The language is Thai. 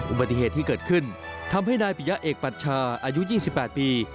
อุบัติเหตุที่เกิดขึ้นทำให้นายปิยะเอกปัชชาอายุ๒๘ปี